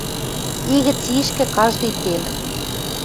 И гӹц ишкӹ каждый тел.